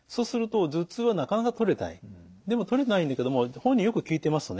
でもとれてないんだけども本人によく聞いてみますとね